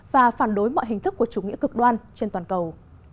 và phản đối mọi hình thức của chủ nghĩa cực đoan trên toàn cầu